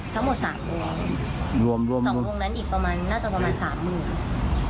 ทั้งหมดสามวงรวมรวมสองวงนั้นอีกประมาณน่าจะประมาณสามหมื่น